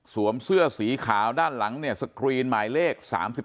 เสื้อสีขาวด้านหลังเนี่ยสกรีนหมายเลข๓๒